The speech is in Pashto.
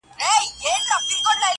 موږ شهپر دی غلیمانو ته سپارلی -